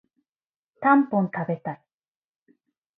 たんぽん食べたい